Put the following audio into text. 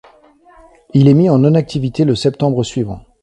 Il est mis en non activité le septembre suivant.